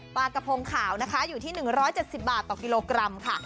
ปลากระพงขาวนะคะอยู่ที่๑๗๐บาทต่อกิโลกรัมค่ะ